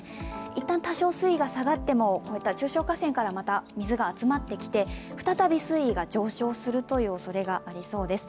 一旦多少水位が下がっても中小河川から、水が集まってきて再び水位が上昇するおそれがありそうです。